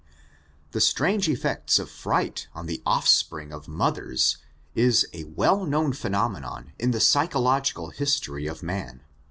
The strange effects of fright on the offljpring of mothers, is a well known phenomenon in the physiological history of man.